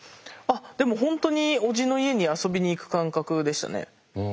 でも本当におじの家に遊びに行く感覚でしたね。